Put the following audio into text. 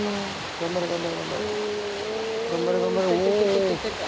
頑張れ頑張れおぉ。